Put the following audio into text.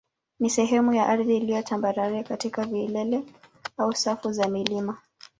ni sehemu ya ardhi iliyo tambarare kati ya vilele au safu za milima.